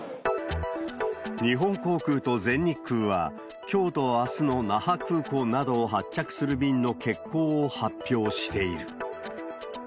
日本航空と全日空は、きょうとあすの那覇空港などを発着する便の欠航を発表している。